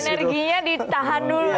jadi energinya ditahan dulu ya